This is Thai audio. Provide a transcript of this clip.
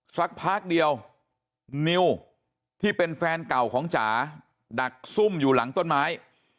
สักพักเดียวนิวที่เป็นแฟนเก่าของจ๋าดักซุ่มอยู่หลังต้นไม้